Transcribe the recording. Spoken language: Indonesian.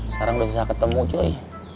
sekarang udah bisa ketemu cuy